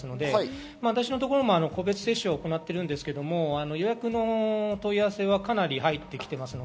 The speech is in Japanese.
私のところも個別接種を行っていますが、予約の問い合わせがかなり入っています。